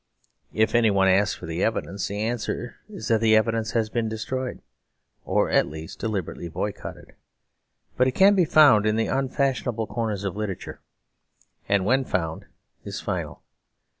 If anyone asks for the evidence, the answer is that the evidence has been destroyed, or at least deliberately boycotted: but can be found in the unfashionable corners of literature; and, when found, is final.